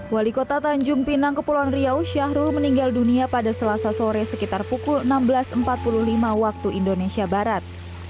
wali kota tanjung pinang kepulauan riau syahrul meninggal dunia pada selasa sore sekitar pukul enam belas empat puluh lima waktu indonesia barat